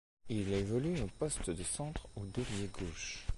Il évolue au poste de centre ou d'ailier gauche.